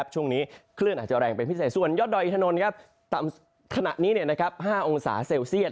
ช่วงนี้คลื่นอาจจะแรงเป็นพิเศษส่วนยอดดอยอินทนนต่ำขณะนี้๕องศาเซลเซียต